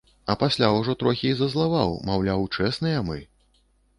А пасля ўжо трохі і зазлаваў, маўляў, чэсныя мы.